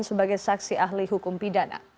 sebagai saksi ahli hukum pidana